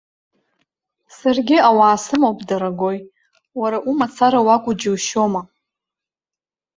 Саргьы ауаа сымоуп, дорогои, уара умацара уакәу џьушьома!